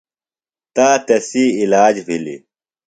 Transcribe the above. تا تسی علاج بِھلیۡ۔